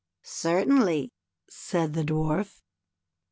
C e r t ainly," said the Dwarf.